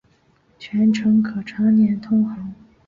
全程可常年通航。